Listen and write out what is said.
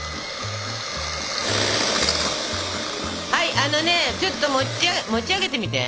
はいあのねちょっと持ち上げてみて。